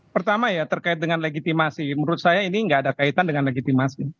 pertama ya terkait dengan legitimasi menurut saya ini nggak ada kaitan dengan legitimasi